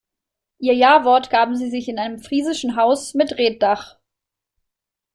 Ihr Jawort gaben sie sich in einem friesischen Haus mit Reetdach.